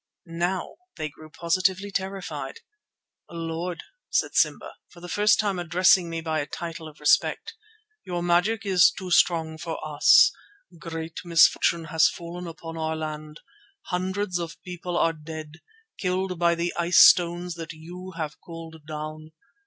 Now they grew positively terrified. "Lord," said Simba, for the first time addressing me by a title of respect, "your magic is too strong for us. Great misfortune has fallen upon our land. Hundreds of people are dead, killed by the ice stones that you have called down.